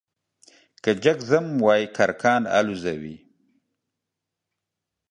که جگ ځم وايي کرکان الوزوې ،